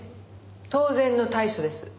当然の対処です。